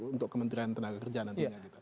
untuk kementerian tenaga kerja nantinya gitu